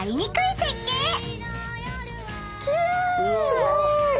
すごーい！